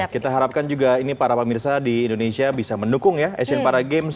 kita harapkan juga ini para pemirsa di indonesia bisa mendukung ya asian para games